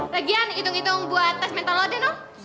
regian hitung hitung buat tes mental lo aja noh